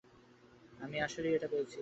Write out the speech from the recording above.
আমি আসলেই এটা পেয়েছি।